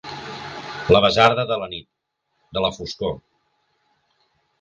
La basarda de la nit, de la foscor.